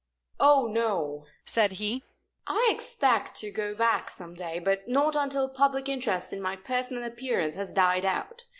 "Oh no," said he. "I expect to go back some day, but not until public interest in my personal appearance has died out.